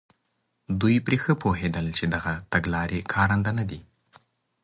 دوی پر دې ښه پوهېدل چې دغه تګلارې کارنده نه دي.